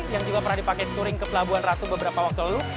yang juga pernah dipakai touring ke pelabuhan ratu beberapa waktu lalu